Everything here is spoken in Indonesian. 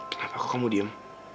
kenapa kamu diem